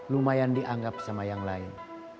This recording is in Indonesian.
lumayan dianggap sama yang lain